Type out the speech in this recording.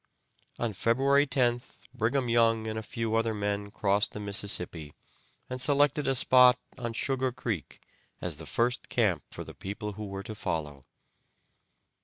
On February 10th Brigham Young and a few other men crossed the Mississippi and selected a spot on Sugar Creek as the first camp for the people who were to follow.